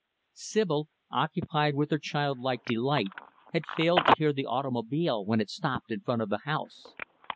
Sibyl, occupied with her childlike delight, had failed to hear the automobile when it stopped in front of the house.